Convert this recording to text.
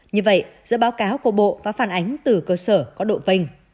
như vậy giữa báo cáo của bộ và phản ánh từ cơ sở có độ bền